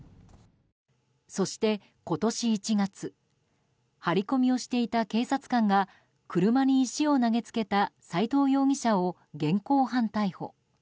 そして、今年１月張り込みをしていた警察官が車に石を投げつけた斎藤容疑者を現行犯逮捕。